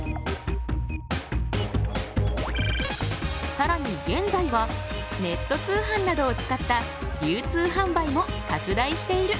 さらに現在はネット通販などを使った流通販売も拡大している。